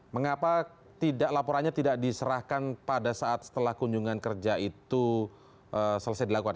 mengapa laporannya tidak diserahkan pada saat setelah kunjungan kerja itu selesai dilakukan